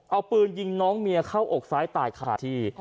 เอาปืนยิงน้องเมียเข้าอกซ้ายตายขาดที่